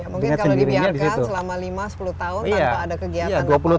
mungkin kalau dibiarkan selama lima sepuluh tahun tanpa ada kegiatan apa pun ya